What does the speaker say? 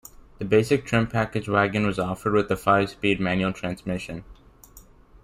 The basic trim package wagon was offered with a five-speed manual transmission.